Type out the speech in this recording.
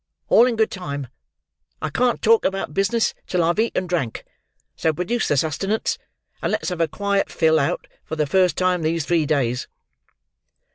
All in good time. I can't talk about business till I've eat and drank; so produce the sustainance, and let's have a quiet fill out for the first time these three days!"